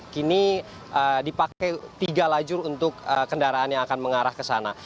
kini dipakai tiga lajur untuk kendaraan yang akan mengarah ke sana